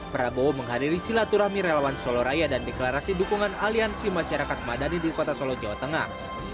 prabowo menghadiri silaturahmi relawan solo raya dan deklarasi dukungan aliansi masyarakat madani di kota solo jawa tengah